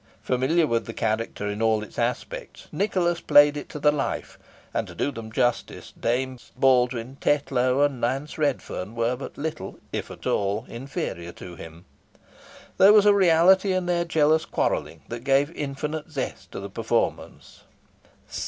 Familiar with the character in all its aspects, Nicholas played it to the life; and, to do them justice, Dames Baldwyn, Tetlow, and Nance Redferne, were but little if at all inferior to him. There was a reality in their jealous quarrelling that gave infinite zest to the performance.